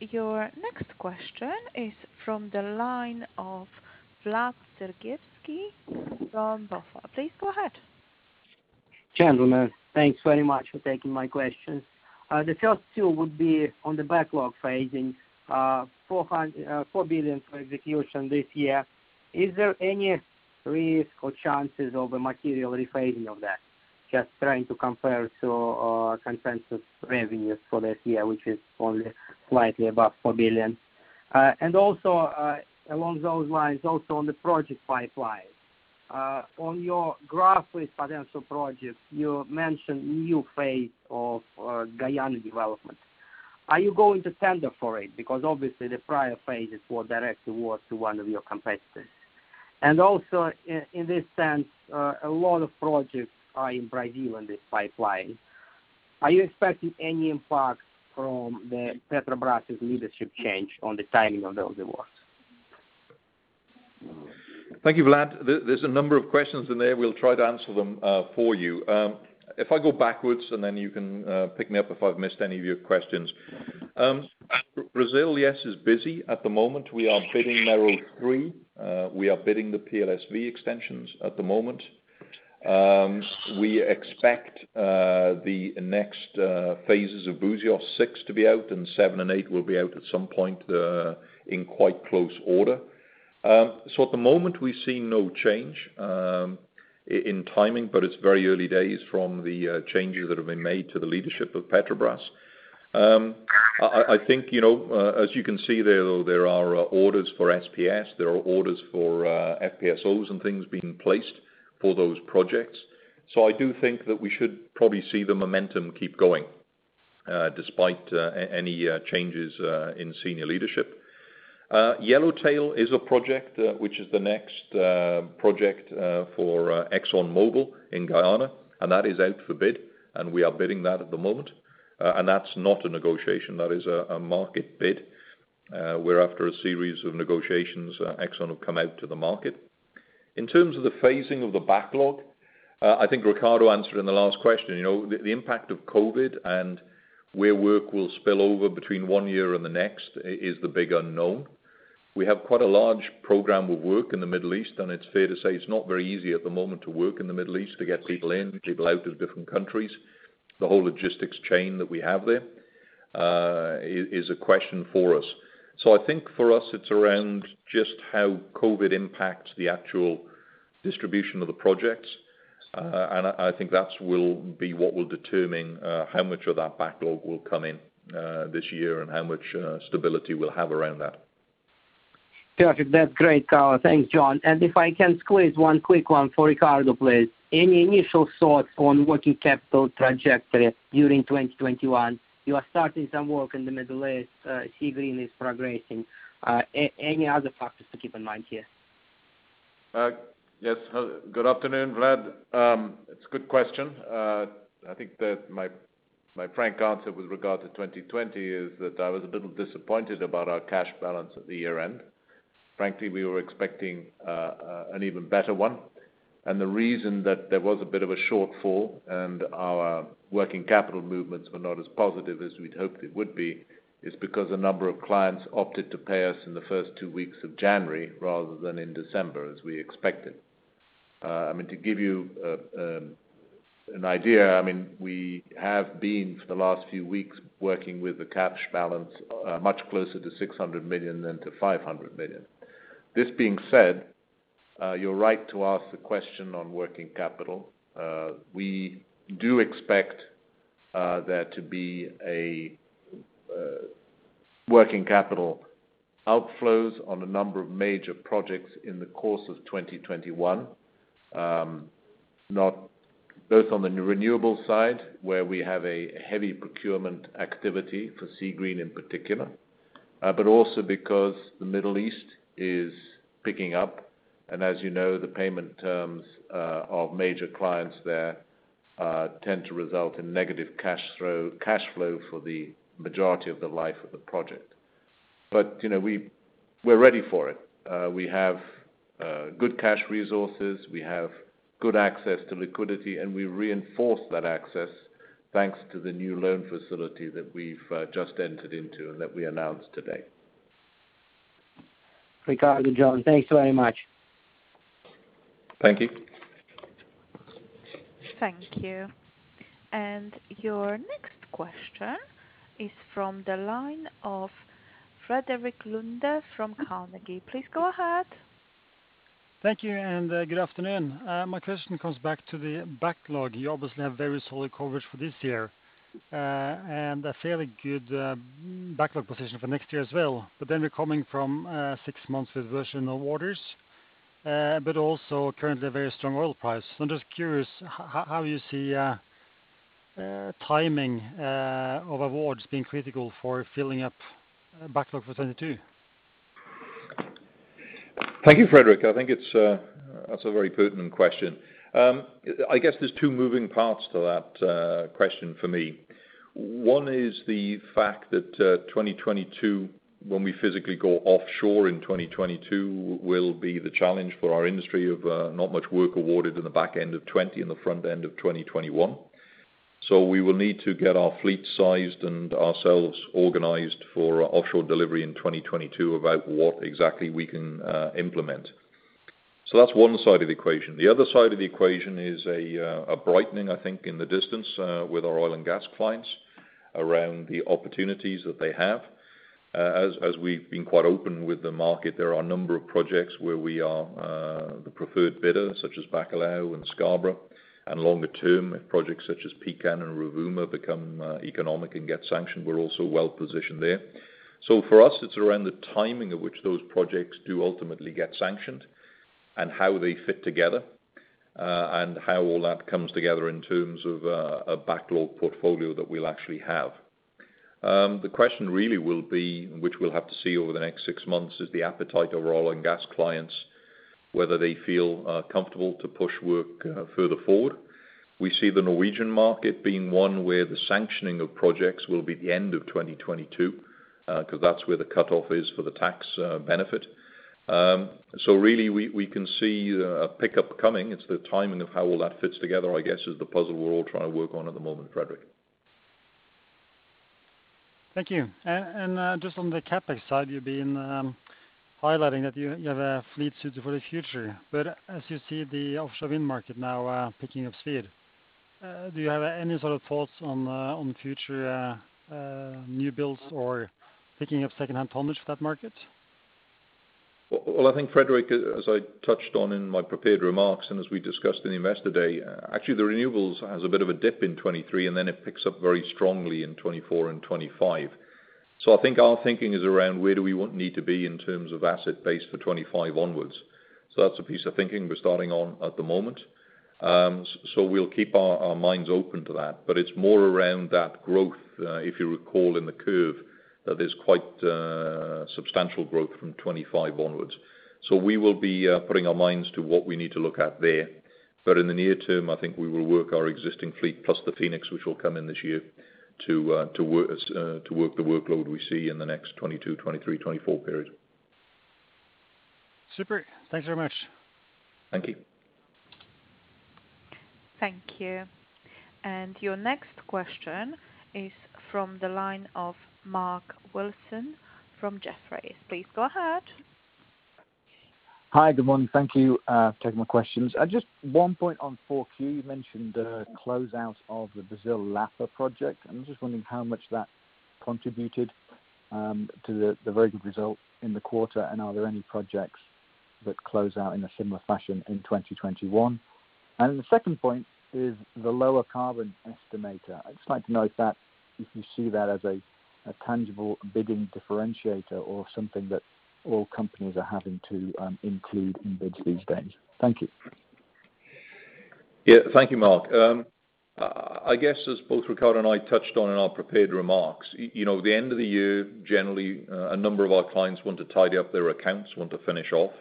Your next question is from the line of Vlad Sergievskiy from BofA. Please go ahead. Gentlemen, thanks very much for taking my questions. The first two would be on the backlog phasing, $4 billion for execution this year. Is there any risk or chances of a material rephasing of that? Just trying to compare to our consensus revenues for this year, which is only slightly above $4 billion. Also along those lines, also on the project pipeline. On your graph with potential projects, you mentioned new phase of Guyana development. Are you going to tender for it? Because obviously the prior phases were directly awarded to one of your competitors. Also, in this sense, a lot of projects are in Brazil in this pipeline. Are you expecting any impact from Petrobras' leadership change on the timing of those awards? Thank you, Vlad. There's a number of questions in there. We'll try to answer them for you. If I go backwards, and then you can pick me up if I've missed any of your questions. Brazil, yes, is busy at the moment. We are bidding Mero 3. We are bidding the PLSV extensions at the moment. We expect the next phases of Búzios 6 to be out, and Búzios 7 and Búzios 8 will be out at some point in quite close order. At the moment, we see no change in timing, but it's very early days from the changes that have been made to the leadership of Petrobras. I think, as you can see there, though, there are orders for SPS, there are orders for FPSOs and things being placed for those projects. I do think that we should probably see the momentum keep going, despite any changes in senior leadership. Yellowtail is a project which is the next project for ExxonMobil in Guyana, and that is out for bid, and we are bidding that at the moment. That's not a negotiation. That is a market bid, where after a series of negotiations, Exxon have come out to the market. In terms of the phasing of the backlog, I think Ricardo answered in the last question. The impact of COVID and where work will spill over between one year and the next is the big unknown. We have quite a large program of work in the Middle East, and it's fair to say it's not very easy at the moment to work in the Middle East, to get people in, people out of different countries. The whole logistics chain that we have there is a question for us. I think for us, it's around just how COVID impacts the actual distribution of the projects, and I think that will be what will determine how much of that backlog will come in this year and how much stability we'll have around that. Perfect. That's great color. Thanks, John. If I can squeeze one quick one for Ricardo, please. Any initial thoughts on working capital trajectory during 2021? You are starting some work in the Middle East. Seagreen is progressing. Any other factors to keep in mind here? Yes. Good afternoon, Vlad. It's a good question. I think that my frank answer with regard to 2020 is that I was a little disappointed about our cash balance at the year end. Frankly, we were expecting an even better one. The reason that there was a bit of a shortfall and our working capital movements were not as positive as we'd hoped it would be, is because a number of clients opted to pay us in the first two weeks of January rather than in December, as we expected. To give you an idea, we have been, for the last few weeks, working with a cash balance much closer to $600 million than to $500 million. This being said, you're right to ask the question on working capital. We do expect there to be working capital outflows on a number of major projects in the course of 2021. Both on the renewable side, where we have a heavy procurement activity for Seagreen in particular, but also because the Middle East is picking up. As you know, the payment terms of major clients there tend to result in negative cash flow for the majority of the life of the project. We're ready for it. We have good cash resources, we have good access to liquidity, and we reinforce that access thanks to the new loan facility that we've just entered into and that we announced today. Ricardo, John, thanks very much. Thank you. Thank you. Your next question is from the line of Frederik Lunde from Carnegie. Please go ahead. Thank you, and good afternoon. My question comes back to the backlog. You obviously have very solid coverage for this year. A fairly good backlog position for next year as well. We're coming from six months with virtually no orders, but also currently a very strong oil price. I'm just curious how you see timing of awards being critical for filling up backlog for 2022. Thank you, Frederik. That's a very pertinent question. I guess there's two moving parts to that question for me. One is the fact that 2022, when we physically go offshore in 2022, will be the challenge for our industry of not much work awarded in the back end of 2020 and the front end of 2021. We will need to get our fleet sized and ourselves organized for offshore delivery in 2022 about what exactly we can implement. That's one side of the equation. The other side of the equation is a brightening, I think, in the distance, with our oil and gas clients around the opportunities that they have. As we've been quite open with the market, there are a number of projects where we are the preferred bidder, such as Bacalhau and Scarborough, and longer-term projects such as Pecan and Rovuma become economic and get sanctioned. We're also well-positioned there. For us, it's around the timing of which those projects do ultimately get sanctioned and how they fit together, and how all that comes together in terms of a backlog portfolio that we'll actually have. The question really will be, which we'll have to see over the next six months, is the appetite of our oil and gas clients, whether they feel comfortable to push work further forward. We see the Norwegian market being one where the sanctioning of projects will be the end of 2022, because that's where the cutoff is for the tax benefit. Really, we can see a pickup coming. It's the timing of how all that fits together, I guess, is the puzzle we're all trying to work on at the moment, Frederik. Thank you. Just on the CapEx side, you've been highlighting that you have a fleet suited for the future, but as you see the offshore wind market now picking up speed. Do you have any sort of thoughts on future new builds or picking up secondhand tonnage for that market? Well, I think, Frederik, as I touched on in my prepared remarks and as we discussed in the Investor Day, actually the renewables has a bit of a dip in 2023, then it picks up very strongly in 2024 and 2025. I think our thinking is around where do we need to be in terms of asset base for 2025 onwards. That's a piece of thinking we're starting on at the moment, so we'll keep our minds open to that. It's more around that growth, if you recall in the curve, that there's quite substantial growth from 2025 onwards. We will be putting our minds to what we need to look at there. In the near term, I think we will work our existing fleet, plus the Seven Phoenix, which will come in this year to work the workload we see in the next 2022, 2023, 2024 period. Super. Thanks very much. Thank you. Thank you. Your next question is from the line of Mark Wilson from Jefferies. Please go ahead. Hi, good morning. Thank you for taking my questions. Just one point on 4Q, you mentioned the closeout of the Brazil Lapa project. I'm just wondering how much that contributed to the very good result in the quarter. Are there any projects that close out in a similar fashion in 2021? The second point is the lower carbon estimator. I'd just like to know if you see that as a tangible bidding differentiator or something that all companies are having to include in bids these days. Thank you. Thank you, Mark. I guess as both Ricardo and I touched on in our prepared remarks, the end of the year, generally, a number of our clients want to tidy up their accounts, want to finish off.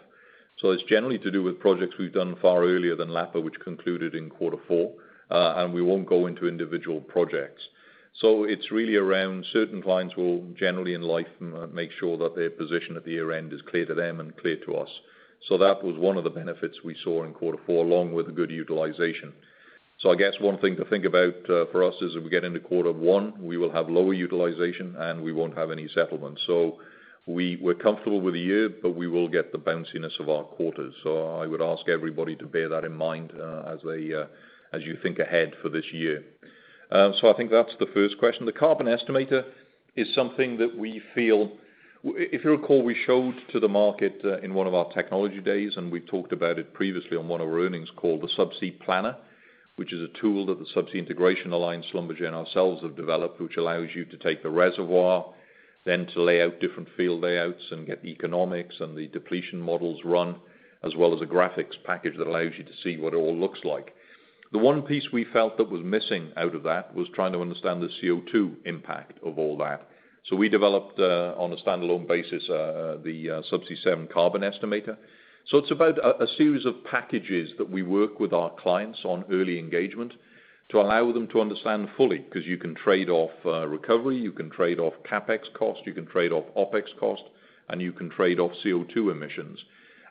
It's generally to do with projects we've done far earlier than Lapa, which concluded in quarter four. We won't go into individual projects. It's really around certain clients who will generally in life make sure that their position at the year end is clear to them and clear to us. That was one of the benefits we saw in quarter four, along with a good utilization. I guess one thing to think about for us is as we get into quarter one, we will have lower utilization, and we won't have any settlements. We're comfortable with the year, but we will get the bounciness of our quarters. I would ask everybody to bear that in mind as you think ahead for this year. I think that's the first question. The carbon estimator is something that we feel—If you recall, we showed to the market, in one of our technology days, and we've talked about it previously on one of our earnings call, the Subsea Planner, which is a tool that the Subsea Integration Alliance, Schlumberger, and ourselves have developed, which allows you to take the reservoir, then to lay out different field layouts and get the economics and the depletion models run, as well as a graphics package that allows you to see what it all looks like. The one piece we felt that was missing out of that was trying to understand the CO₂ impact of all that. We developed, on a standalone basis, the Subsea7 carbon estimator. It's about a series of packages that we work with our clients on early engagement to allow them to understand fully, because you can trade off recovery, you can trade off CapEx cost, you can trade off OpEx cost, and you can trade off CO₂ emissions.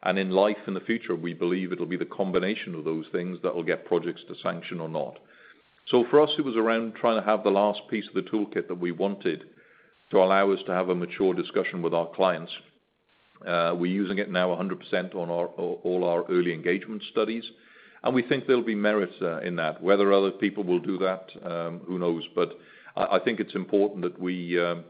In life in the future, we believe it'll be the combination of those things that will get projects to sanction or not. For us, it was around trying to have the last piece of the toolkit that we wanted to allow us to have a mature discussion with our clients. We're using it now 100% on all our early engagement studies, and we think there'll be merit in that. Whether other people will do that, who knows? I think it's important that we're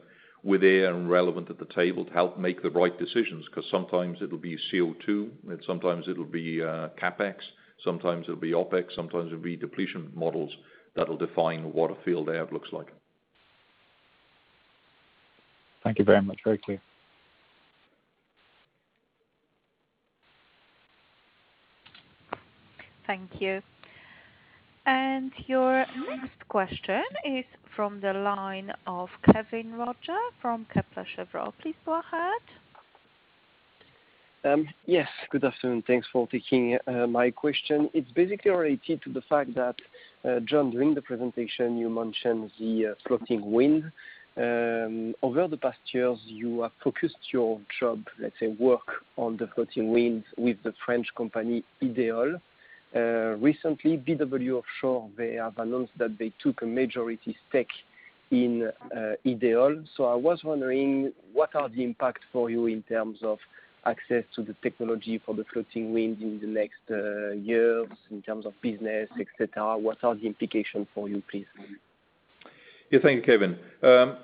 there and relevant at the table to help make the right decisions, because sometimes it'll be CO₂, and sometimes it'll be CapEx, sometimes it'll be OpEx, sometimes it'll be depletion models that'll define what a field layout looks like. Thank you very much. Very clear. Thank you. Your next question is from the line of Kévin Roger from Kepler Cheuvreux. Please go ahead. Yes, good afternoon. Thanks for taking my question. It is basically related to the fact that, John, during the presentation, you mentioned the floating wind. Over the past years, you have focused your work on the floating wind with the French company Ideol. Recently, BW Offshore, they have announced that they took a majority stake in Ideol. I was wondering what are the impact for you in terms of access to the technology for the floating wind in the next years in terms of business, et cetera? What are the implications for you, please? Thank you, Kévin.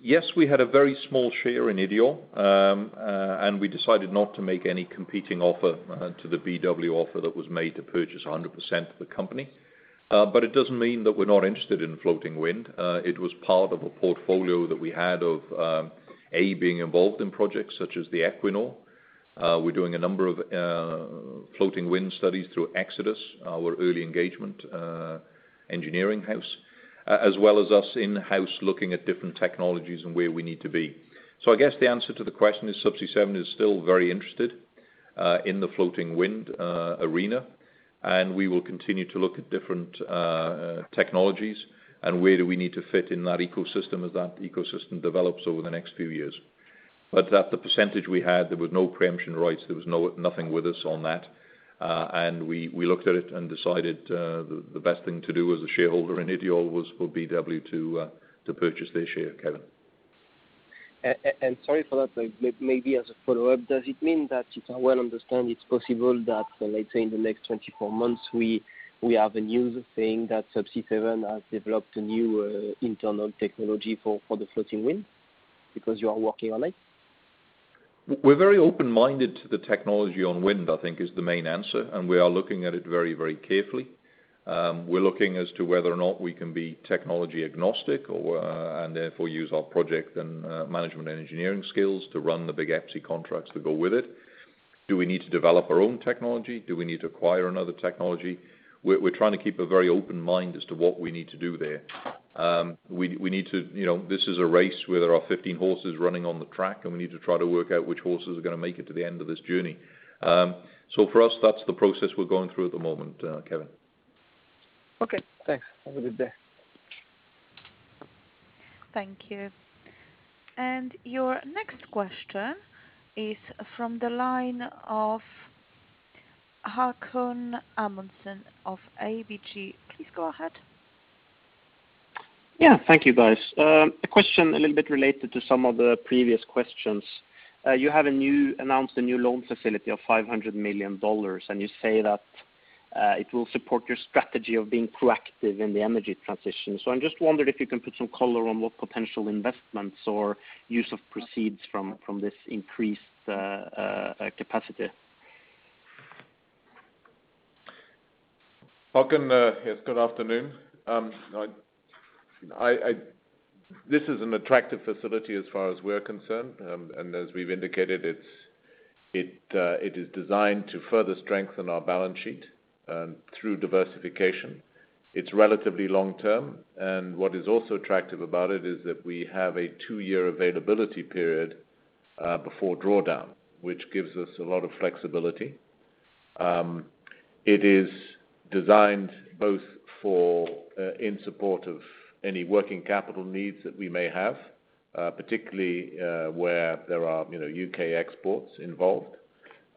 Yes, we had a very small share in Ideol, and we decided not to make any competing offer to the BW offer that was made to purchase 100% of the company. It doesn't mean that we're not interested in floating wind. It was part of a portfolio that we had of being involved in projects such as the Equinor. We're doing a number of floating wind studies through Xodus, our early engagement engineering house, as well as us in-house looking at different technologies and where we need to be. I guess the answer to the question is Subsea7 is still very interested in the floating wind arena, and we will continue to look at different technologies and where do we need to fit in that ecosystem as that ecosystem develops over the next few years. That the percentage we had, there was no preemption rights. There was nothing with us on that. We looked at it and decided the best thing to do as a shareholder in Ideol was for BW to purchase their share, Kévin. Sorry for that. Maybe as a follow-up, does it mean that if I well understand it's possible that, let's say in the next 24 months we have a news saying that Subsea7 has developed a new internal technology for the floating wind because you are working on it? We're very open-minded to the technology on wind, I think is the main answer, and we are looking at it very carefully. We're looking as to whether or not we can be technology agnostic and therefore use our project and management engineering skills to run the big EPCI contracts that go with it. Do we need to develop our own technology? Do we need to acquire another technology? We're trying to keep a very open mind as to what we need to do there. This is a race where there are 15 horses running on the track, and we need to try to work out which horses are going to make it to the end of this journey. For us, that's the process we're going through at the moment, Kévin. Thanks. Have a good day. Thank you. Your next question is from the line of Haakon Amundsen of ABG. Please go ahead. Thank you, guys. A question a little bit related to some of the previous questions. You have announced a new loan facility of $500 million, and you say that it will support your strategy of being proactive in the energy transition. I just wondered if you can put some color on what potential investments or use of proceeds from this increased capacity. Haakon, yes, good afternoon. This is an attractive facility as far as we're concerned. As we've indicated, it is designed to further strengthen our balance sheet through diversification. It's relatively long-term, and what is also attractive about it is that we have a two-year availability period before drawdown, which gives us a lot of flexibility. It is designed both for in support of any working capital needs that we may have, particularly where there are U.K. exports involved.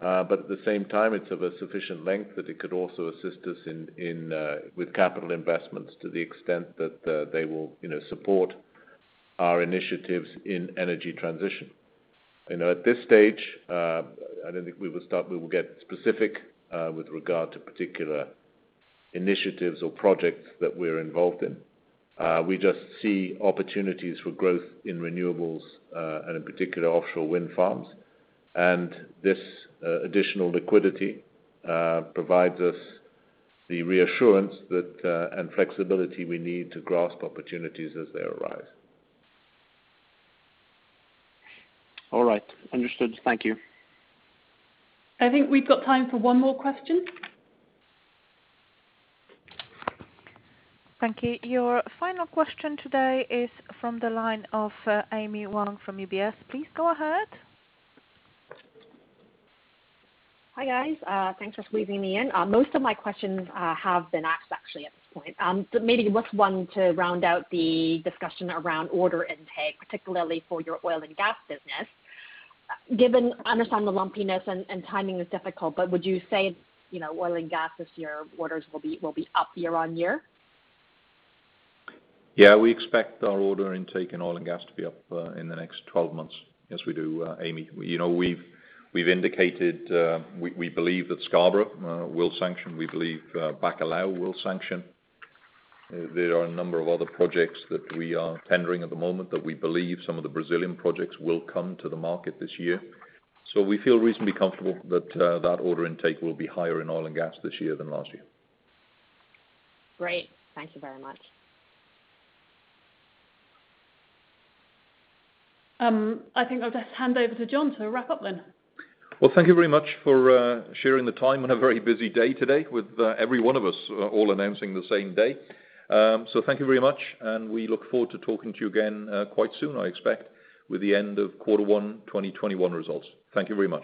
At the same time, it's of a sufficient length that it could also assist us with capital investments to the extent that they will support our initiatives in energy transition. At this stage, I don't think we will get specific with regard to particular initiatives or projects that we're involved in. We just see opportunities for growth in renewables, and in particular offshore wind farms. This additional liquidity provides us the reassurance and flexibility we need to grasp opportunities as they arise. All right. Understood. Thank you. I think we've got time for one more question. Thank you. Your final question today is from the line of Amy Wong from UBS. Please go ahead. Hi, guys. Thanks for squeezing me in. Most of my questions have been asked actually at this point. Maybe just one to round out the discussion around order intake, particularly for your oil and gas business. Given, I understand the lumpiness and timing is difficult, would you say oil and gas this year orders will be up year-on-year? We expect our order intake in oil and gas to be up in the next 12 months. Yes, we do, Amy. We've indicated we believe that Scarborough will sanction. We believe Bacalhau will sanction. There are a number of other projects that we are tendering at the moment that we believe some of the Brazilian projects will come to the market this year. We feel reasonably comfortable that that order intake will be higher in oil and gas this year than last year. Great. Thank you very much. I think I'll just hand over to John to wrap up then. Well, thank you very much for sharing the time on a very busy day today with every one of us all announcing the same day. Thank you very much, and we look forward to talking to you again quite soon, I expect, with the end of quarter one 2021 results. Thank you very much.